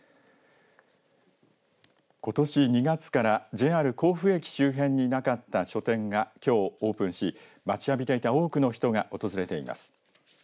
ことし２月からＪＲ甲府駅周辺になかった書店がきょうオープンし待ちわびていた多くの人が訪れています。